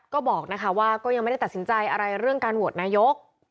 ก็บอกนะคะว่าก็ยังไม่ได้ตัดสินใจอะไรเรื่องการโหวตนายก